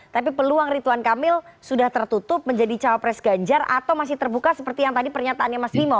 tapi peluang rituan kamil sudah tertutup menjadi cawapres ganjar atau masih terbuka seperti yang tadi pernyataannya mas bimo